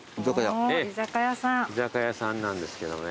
居酒屋さんなんですけどもね。